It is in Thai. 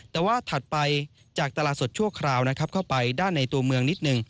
แต่ว่าถัดไปจากตลาดสดชั่วคราวนะครับเข้าไปด้านในตัวเมืองนิดหนึ่ง